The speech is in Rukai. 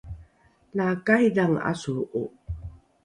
la karidhange ’asolro’o